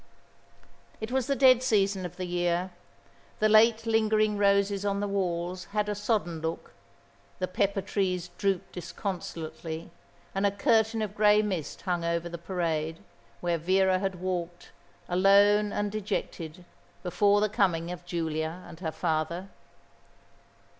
It was the dead season of the year. The late lingering roses on the walls had a sodden look, the pepper trees drooped disconsolately, and a curtain of grey mist hung over the parade, where Vera had walked, alone and dejected, before the coming of Giulia and her father.